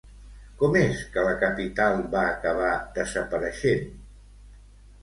Com és que la capital va acabar desapareixent?